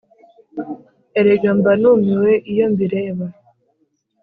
Erega mba numiwe iyo mbireba